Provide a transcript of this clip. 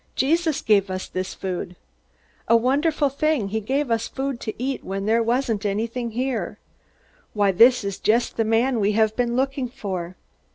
"Jesus gave us this food." "A wonderful thing! He gave us food to eat, when there wasn't anything here!" "Why, this is just the man we have been looking for!"